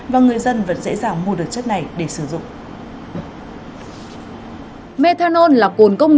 và người dân vẫn dễ dàng mua được chất này để sử dụng